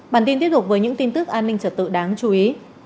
bản tin tiếp tục với những tin tức an ninh trật tự đáng chú ý